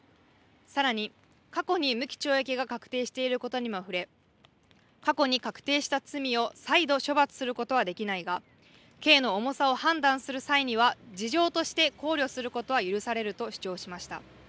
さらに過去に無期懲役が確定していることにも触れ、過去に確定した罪を再度処罰することはできないが、刑の重さを判断する際には事情として考慮することは許されると主張しました。